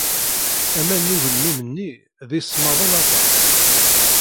Aman n ugelmim-nni d isemmaḍen aṭas.